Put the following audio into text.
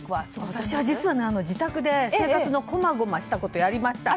私は実は自宅で生活のこまごましたことをやりました。